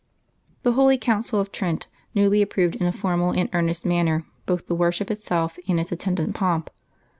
The holy Council of Trent newly approved in a formal and earnest 20 LIVES OF TEE SAINTS manner botli tlie worship itself and its attendant pomp.